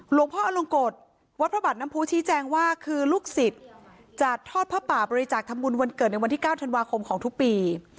หลวงพ่ออลงกฎวัดพระบาทน้ำผู้ชี้แจงว่าคือลูกศิษย์จัดทอดผ้าป่าบริจาคทำบุญวันเกิดในวันที่๙ธันวาคมของทุกปี